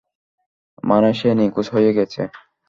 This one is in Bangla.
মানে, সে নিখোঁজ হয়ে গেছে।